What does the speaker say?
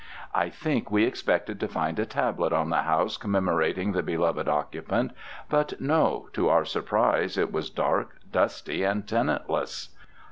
I think we expected to find a tablet on the house commemorating the beloved occupant; but no; to our surprise it was dark, dusty, and tenantless.